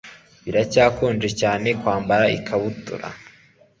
Biracyakonje cyane kwambara ikabutura